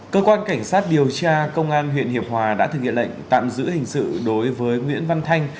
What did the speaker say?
cơ quan cảnh sát điều tra công an huyện hiệp hòa đã thực hiện lệnh tạm giữ hình sự đối với nguyễn văn thanh